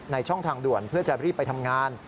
ช่องทางด่วนเพื่อจะรีบไปทำงาน